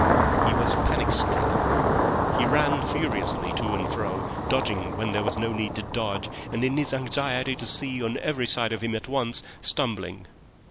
He was panic stricken. He ran furiously to and fro, dodging when there was no need to dodge, and, in his anxiety to see on every side of him at once, stumbling.